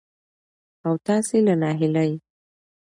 او تاسې له ناهيلۍ